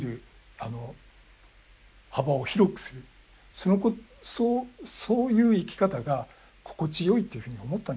そういう生き方が心地よいというふうに思ったんじゃないかと。